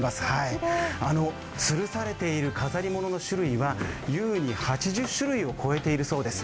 つるされている飾り物の種類は優に８０種類を超えているそうです。